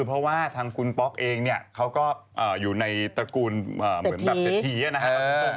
เพราะว่าทางคุณป๊อกเองเนี่ยเขาก็อยู่ในตระกูลเหมือนแบบเศรษฐีนะครับ